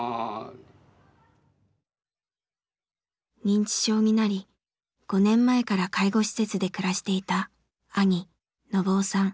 認知症になり５年前から介護施設で暮らしていた兄信雄さん。